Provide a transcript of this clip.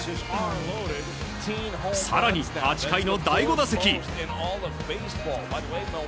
更に８回の第５打席。